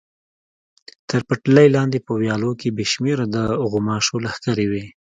تر پټلۍ لاندې په ویالو کې بې شمېره د غوماشو لښکرې وې.